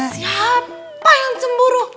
siapa yang cemburu